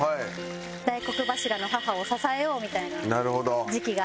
大黒柱の母を支えようみたいな時期がありまして。